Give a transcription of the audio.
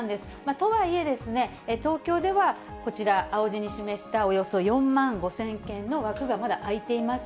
とはいえ、東京ではこちら、青字に示したおよそ４万５０００件の枠がまだ空いています。